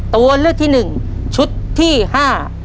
ตัวเลือกที่หนึ่งชุดที่ห้า